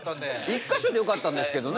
１か所でよかったんですけどね。